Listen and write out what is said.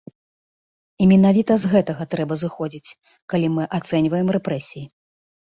І менавіта з гэтага трэба зыходзіць, калі мы ацэньваем рэпрэсіі.